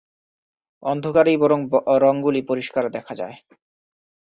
অন্ধকারেই বরং রঙগুলি পরিষ্কার দেখা যায়।